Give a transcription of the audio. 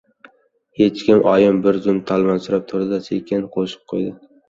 — Hech kim. — Oyim bir zum talmovsirab turdi-da, sekin qo‘shib qo‘ydi.